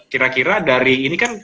kira kira dari ini kan